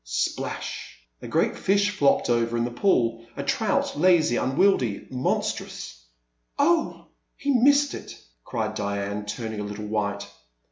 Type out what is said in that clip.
Splash !" A great fish flopped over in the pool, a trout, lazy, unwieldy, monstrous. Oh ! he missed it ! cried Diane, turning a little white.